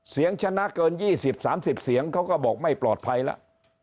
ชนะเกิน๒๐๓๐เสียงเขาก็บอกไม่ปลอดภัยแล้ว